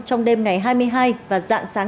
trong đêm ngày hai mươi hai và dạng sáng